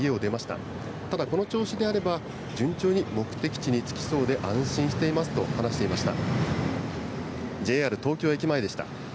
ただ、この調子であれば、順調に目的地に着きそうで安心していますと話していました。